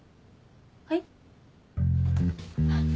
はい？